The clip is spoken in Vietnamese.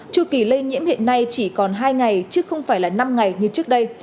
chu kỳ lây nhiễm hiện nay chỉ còn hai ngày chứ không phải là năm ngày như trước đây